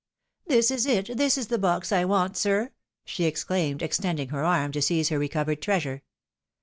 " This is it, this is the box I want, sir !" she exclaimed, extending her arm to seize her recovered treasure.